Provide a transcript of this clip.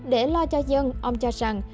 để lo cho dân ông cho rằng